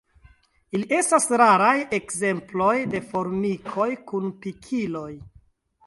Ili estas raraj ekzemploj de formikoj kun pikiloj.